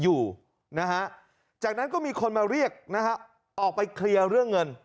อยู่นะฮะจากนั้นก็มีคนมาเรียกนะฮะออกไปเคลียร์เรื่องเงิน